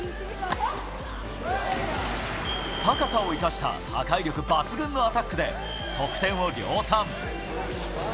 高さを生かした破壊力抜群なアタックで得点を量産。